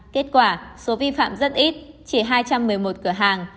kết quả số vi phạm rất ít chỉ hai trăm một mươi một cửa hàng